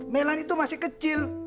mellan itu masih kecil